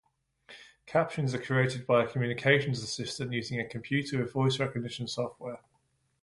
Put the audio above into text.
Captions are created by a communications assistant using a computer with voice recognition software.